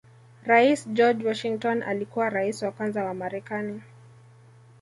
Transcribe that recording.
Rais George Washington alikuwa Rais wa kwanza wa marekani